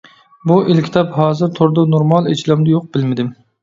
بۇ ئېلكىتاب ھازىر توردا نورمال ئېچىلامدۇ يوق؟ بىلمىدىم.